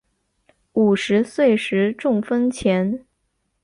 五十岁时中风前